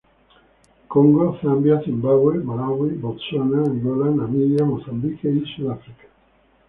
Congo, Zambia, Zimbabue, Malaui, Botsuana, Angola, Namibia, Mozambique y Sudáfrica.